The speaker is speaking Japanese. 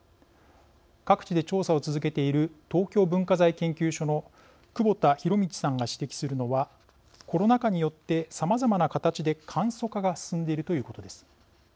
各地で調査を続けている東京文化財研究所の久保田裕道さんが指摘するのはコロナ禍によってさまざまな形で簡素化が進んでいるということです。